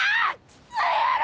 くそ野郎。